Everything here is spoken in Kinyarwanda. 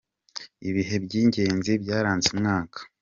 Ibihe byigenzi byaranze umwaka.